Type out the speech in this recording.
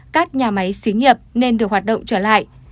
các nhà máy xí nghiệp nên được hoạt động trở lại